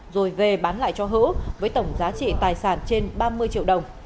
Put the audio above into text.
rồi về bán lại cho hữu với tổng giá trị tài sản trên ba mươi triệu đồng